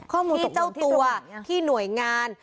ที่เจ้าตัวที่หน่วยงาน